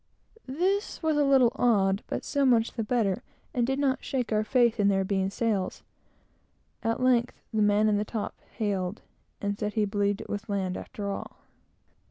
This was a little odd, but so much the better, and did not shake our faith in their being sails. At length the man in the top hailed, and said he believed it was land, after all.